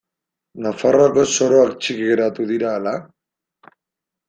Nafarroako soroak txiki geratu dira ala?